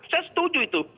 saya setuju itu